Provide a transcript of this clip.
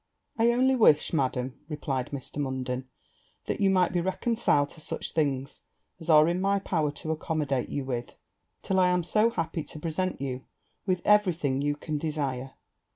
'I only wish, Madam,' replied Mr. Munden, 'that you might be reconciled to such things as are in my power to accommodate you with, till I am so happy to present you with every thing you can desire.'